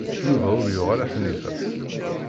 Yuba ur yuɣ ara Ḥnifa.